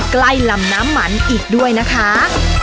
ใกล้ลำน้ำมันอีกด้วยนะคะ